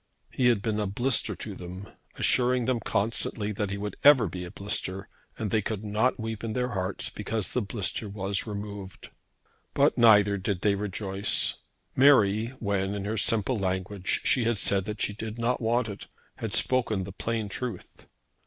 He had been a blister to them, assuring them constantly that he would ever be a blister; and they could not weep in their hearts because the blister was removed. But neither did they rejoice. Mary, when, in her simple language, she had said that she did not want it, had spoken the plain truth.